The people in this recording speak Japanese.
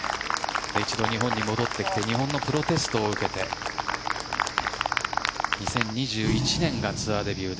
一度、日本に戻ってきて日本のプロテストを受けて２０２１年がツアーデビュー。